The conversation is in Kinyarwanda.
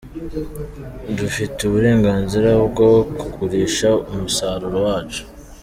Dufite uburenganzira bwo kugurisha umusaruro wacu aho dushaka kuko ni twe tubifitemo inyugu.